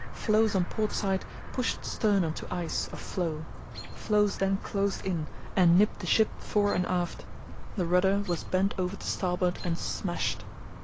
Floes on port side pushed stern on to ice (of floe); floes then closed in and nipped the ship fore and aft. The rudder was bent over to starboard and smashed.